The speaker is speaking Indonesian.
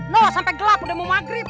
noh sampe gelap udah mau maghrib